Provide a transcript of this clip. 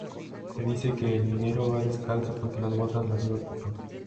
Se dice que "El Minero" va descalzo porque las botas las lleva el patrón.